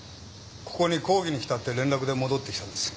ここに抗議に来たって連絡で戻ってきたんです。